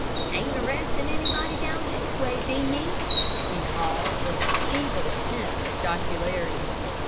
"Ain't arrestin' anybody down this way, be ye?" he called, with a feeble attempt at jocularity.